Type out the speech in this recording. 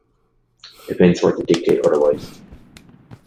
Events were to dictate otherwise.